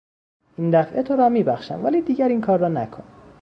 این دفعه تو را میبخشم ولی دیگر این کار را نکن!